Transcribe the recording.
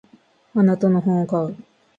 あなたの本を買う。